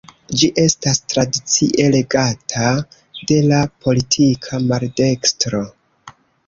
Ĝi estas tradicie regata de la politika maldekstro.